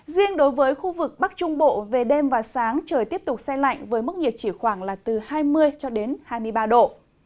riêng đối với khu vực bắc trung bộ về đêm và sáng trời tiếp tục xe lạnh với mức nhiệt chỉ khoảng là từ hai mươi hai mươi ba độ